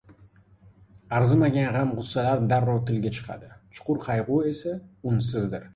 Arzimagan g‘am-g‘ussalar darrov tilga chiqadi, chuqur qayg‘u esa unsizdir.